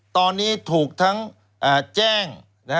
ตอนนี้ถูกทั้งแจ้ง